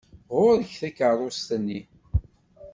Ɣur-k takeṛṛust-nni!